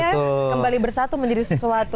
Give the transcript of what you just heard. kembali bersatu menjadi sesuatu